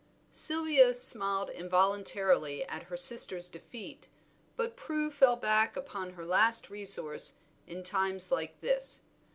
Sylvia smiled involuntarily at her sister's defeat, but Prue fell back upon her last resource in times like this.